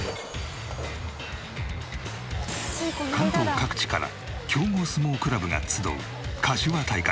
関東各地から強豪相撲クラブが集うかしわ大会。